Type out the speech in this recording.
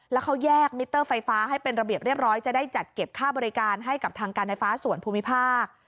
แล้วเขาแยกมิเตอร์ไฟฟ้าให้เป็นระเบียบเรียบร้อยจะได้จัดเก็บค่าบริการให้กับทางการไฟฟ้าส่วนภูมิภาค